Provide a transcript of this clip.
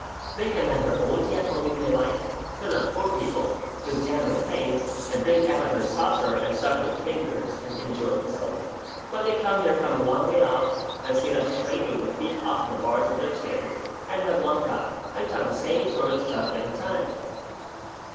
They can have their own tea at home if they like, they're not poor people, with jam and things, and drink out of their saucer, and suck their fingers and enjoy themselves; but they come here from a long way off, and sit up straight with their feet off the bars of their chairs, and have one cup, and talk the same sort of stuff every time."